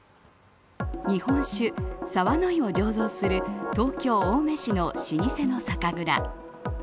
日本酒、澤乃井を醸造する東京・青梅市の老舗の酒蔵。